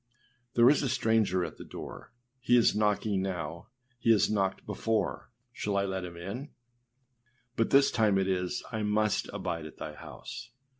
there is a stranger at the door; he is knocking now; he has knocked before; shall I let him in?â But this time it is, âI must abide at thy house.